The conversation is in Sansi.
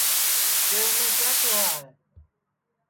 کہ اُنے کیا کیہیا ہے